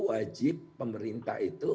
wajib pemerintah itu